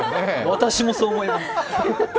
私もそう思います。